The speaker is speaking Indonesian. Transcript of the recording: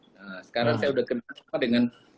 nah sekarang saya sudah kenal sama dengan